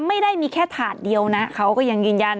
ไม่ได้มีแค่ถาดเดียวนะเขาก็ยังยืนยัน